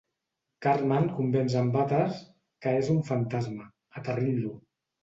Cartman convenç en Butters que és un fantasma, aterrint-lo.